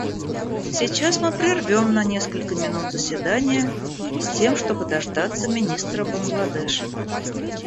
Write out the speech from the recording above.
Сейчас мы прервем на несколько минут заседание, с тем чтобы дождаться министра Бангладеш.